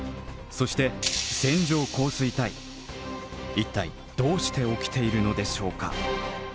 一体どうして起きているのでしょうか。